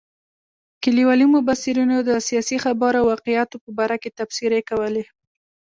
کلیوالو مبصرینو د سیاسي خبرو او واقعاتو په باره کې تبصرې کولې.